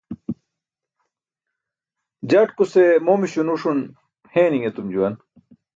Jatkuse momiśo nuṣun heeni̇ṅ etum juwan.